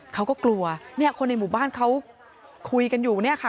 เขาก็กลัวเนี่ยคนในหมู่บ้านเขาคุยกันอยู่เนี่ยค่ะ